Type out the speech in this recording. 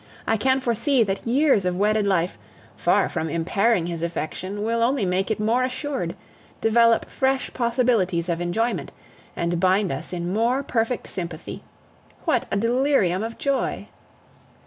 I can foresee that years of wedded life, far from impairing his affection, will only make it more assured, develop fresh possibilities of enjoyment, and bind us in more perfect sympathy. What a delirium of joy!